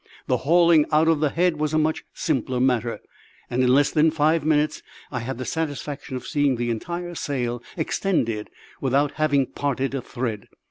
The hauling out of the head was a much simpler matter; and in less than five minutes I had the satisfaction of seeing the entire sail extended without having parted a thread.